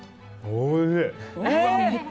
おいしい！